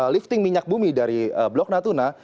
lifting minyak bumi dari blok natuna